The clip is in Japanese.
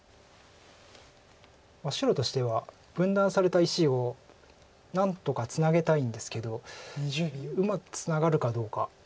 白としては分断された石を何とかツナげたいんですけどうまくツナがるかどうか。